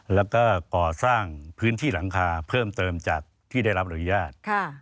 แล้วก็ก่อสร้างพื้นที่หลังคาเพิ่มเติมจากที่ได้รับอนุญาต